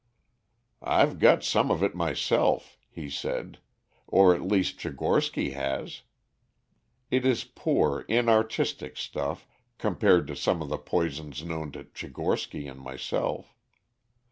"I've got some of it myself," he said, "or at least Tchigorsky has. It is poor, inartistic stuff, compared to some of the poisons known to Tchigorsky and myself.